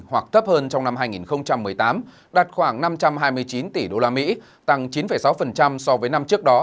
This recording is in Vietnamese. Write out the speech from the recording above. hoặc thấp hơn trong năm hai nghìn một mươi tám đạt khoảng năm trăm hai mươi chín tỷ usd tăng chín sáu so với năm trước đó